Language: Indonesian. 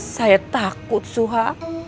saya takut suha